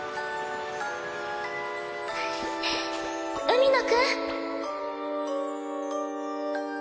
海野くん！